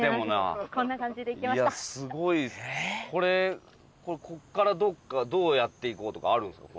これここからどっかどうやっていこうとかあるんですか？